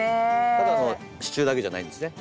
ただの支柱だけじゃないんですね。